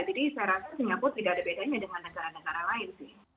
jadi saya rasa singapura tidak ada bedanya dengan negara negara lain sih